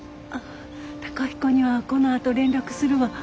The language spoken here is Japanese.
貴彦にはこのあと連絡するわ。